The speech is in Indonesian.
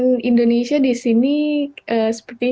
masak sendiri atau pergi ke restaurant